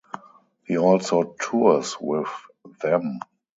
He also tours with them.